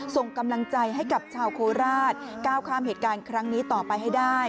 ส่งกำลังใจให้กับชาวโคราชก้าวข้ามเหตุการณ์ครั้งนี้ต่อไปให้ได้